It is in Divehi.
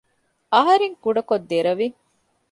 އަހަރެން ކުޑަކޮށް ދެރަވި